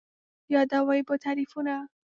یادوې به تعريفونه